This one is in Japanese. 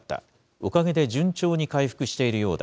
おかげで順調に回復しているようだ。